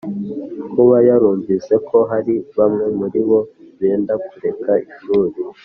kuba yarumvise ko hari bamwe muri bo benda kureka ishuri